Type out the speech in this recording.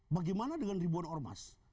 bagaimana dengan ribuan ormas